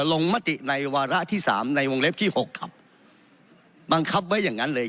ลงมติในวาระที่สามในวงเล็บที่หกครับบังคับไว้อย่างนั้นเลย